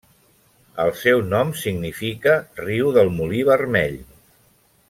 El seu nom significa riu del molí vermell.